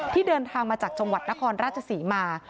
เดินทางมาจากจังหวัดนครราชศรีมา